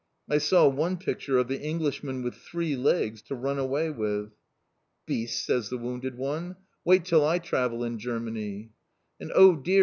I saw one picture of the Englishmen with three legs to run away with!" "Beasts!" says the wounded one. "Wait till I travel in Germany!" "And, oh dear!"